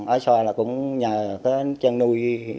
ở xoa là cũng nhà trang nuôi